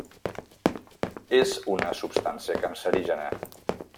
És una substància cancerígena.